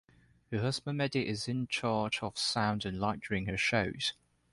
Her husband Mehdi is in charge of sound and light during her shows.